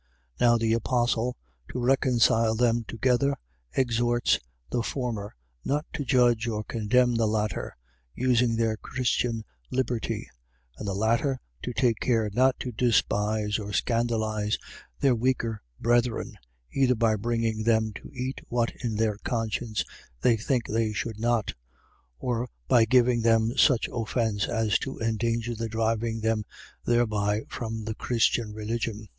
Now the apostle, to reconcile them together, exhorts the former not to judge or condemn the latter, using their Christian liberty; and the latter, to take care not to despise or scandalize their weaker brethren, either by bringing them to eat what in their conscience they think they should not, or by giving them such offence, as to endanger the driving them thereby from the Christian religion.